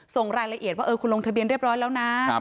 ส่งรายละเอียดว่าคุณลงทะเบียนเรียบร้อยแล้วนะ